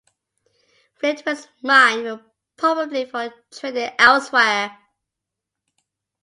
Flint was mined probably for trading elsewhere.